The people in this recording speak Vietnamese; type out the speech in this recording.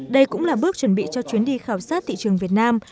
đây cũng là bước chuẩn bị cho chuyến đi khảo sát thị trường việt nam